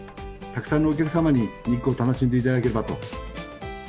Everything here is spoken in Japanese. たくさんのお客様に日光を楽しんでいただければと。